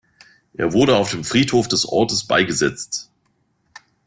Er wurde auf dem Friedhof des Ortes beigesetzt.